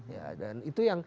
ya dan itu yang